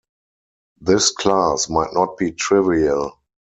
This class might not be trivial.